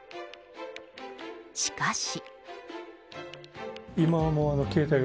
しかし。